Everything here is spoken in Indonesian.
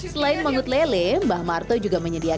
selain mangut lele bah marto juga menyedihkan